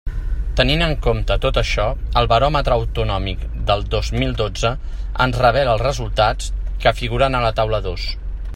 Tenint en compte tot això, el baròmetre autonòmic del dos mil dotze ens revela els resultats que figuren a la taula dos.